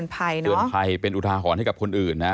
เพื่อเป็นอุทาคอยให้กับคนอื่นนะ